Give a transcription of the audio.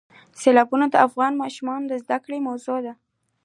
سیلابونه د افغان ماشومانو د زده کړې موضوع ده.